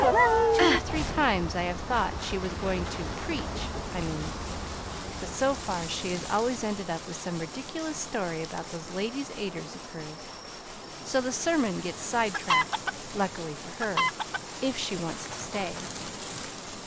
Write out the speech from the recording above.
Two or three times I have thought she was going to (preach, I mean), but so far she has always ended up with some ridiculous story about those Ladies' Aiders of hers; so the sermon gets sidetracked luckily for her, if she wants to stay.